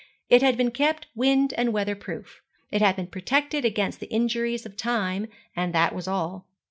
It had been kept wind and weather proof. It had been protected against the injuries of time; and that was all.